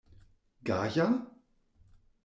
Gaja?